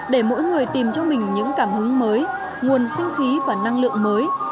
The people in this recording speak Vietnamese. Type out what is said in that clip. để mỗi người tìm cho mình những cảm hứng mới nguồn sinh khí và năng lượng mới